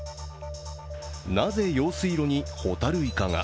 なぜ、用水路にホタルイカが？